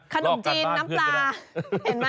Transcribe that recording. ขนมจีนน้ำปลาเห็นไหม